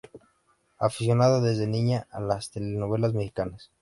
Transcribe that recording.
Aficionada desde niña a las telenovelas mexicanas.